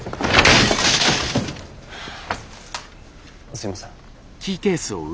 すいません。